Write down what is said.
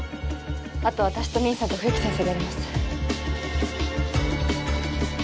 あとは私とミンさんと冬木先生でやれます